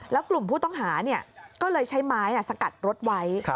แล้วกลุ่มผู้ต้องหาก็เลยใช้ไม้สกัดรถไว้